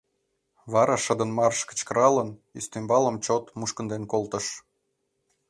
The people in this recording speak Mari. Вара шыдын «Марш» кычкыралын, ӱстембалым чот мушкынден колтыш.